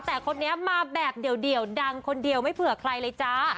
แต่คนนี้มาแบบเดี่ยวดังคนเดียวไม่เผื่อใครเลยจ้า